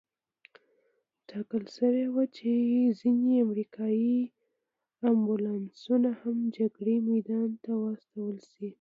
ټاکل شوې وه چې ځینې امریکایي امبولانسونه هم جګړې میدان ته واستول شي.